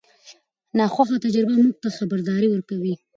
ناخوښه تجربه موږ ته خبرداری ورکوي.